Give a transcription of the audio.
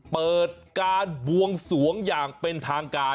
เปิดการบวงสวงอย่างเป็นทางการ